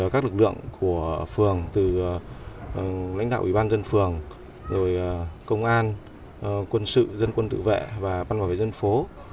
các lực lượng của phường từ lãnh đạo ủy ban dân phường công an quân sự dân quân tự vệ và văn bảo dân phố